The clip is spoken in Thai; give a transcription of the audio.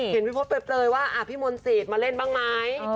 เห็นพี่พลอดเปิดเปลยว่าพี่มนติศมาเล่นบ้างมั้ย